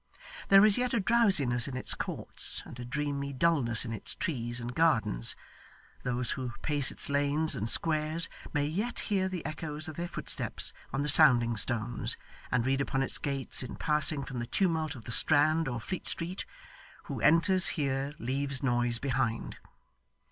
There is yet a drowsiness in its courts, and a dreamy dulness in its trees and gardens; those who pace its lanes and squares may yet hear the echoes of their footsteps on the sounding stones, and read upon its gates, in passing from the tumult of the Strand or Fleet Street, 'Who enters here leaves noise behind.